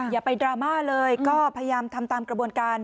อย่าไปดราม่าเลยก็พยายามทำตามกระบวนการ